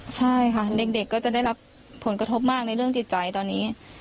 ใช่ค่ะเด็กก็จะได้รับผลกระทบมากในเรื่องจิตใจตอนนี้